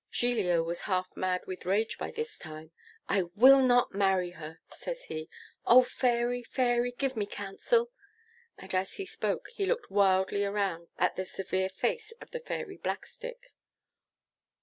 Giglio was half mad with rage by this time. 'I will not marry her,' says he. 'Oh, Fairy, Fairy, give me counsel?' And as he spoke he looked wildly round at the severe face of the Fairy Blackstick.